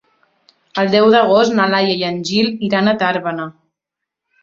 El deu d'agost na Laia i en Gil iran a Tàrbena.